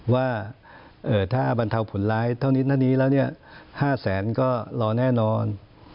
ว่าถ้าบรรเทาผลลายเท่านี้แล้ว๕แสนก็รอแน่นอน